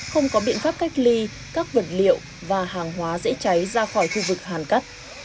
không có biện pháp cách ly các vật liệu và hàng hóa dễ cháy ra khỏi khu vực hàn cắt